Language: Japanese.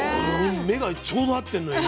目がちょうど合ってんの今。